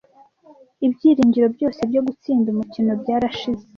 Ibyiringiro byose byo gutsinda umukino byarashize.